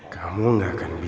pantes aja kak fanny